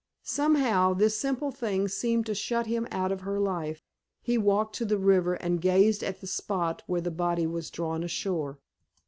Somehow, this simple thing seemed to shut him out of her life. He walked to the river, and gazed at the spot where the body was drawn ashore.